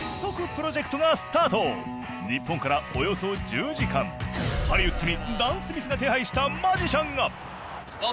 早速日本からおよそ１０時間ハリウッドにダン・スミスが手配したマジシャンが！